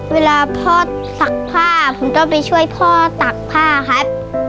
เวลาพ่อตักผ้าผมก็ไปช่วยพ่อตักผ้าครับ